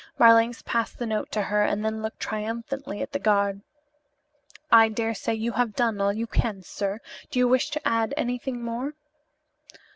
Marlanx passed the note to her and then looked triumphantly at the guard. "I daresay you have done all you can, sir. Do you wish to add anything more?"